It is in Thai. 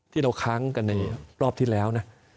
ที่เขาค้างกันในรอบที่แล้วนะ